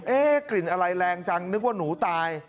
กลิ่นอะไรแรงจังนึกว่าหนูตาย